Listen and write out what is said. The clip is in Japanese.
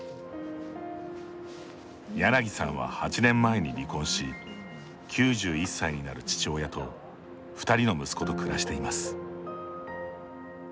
柳さんは８年前に離婚し９１歳になる父親と２人の息子と暮らしています。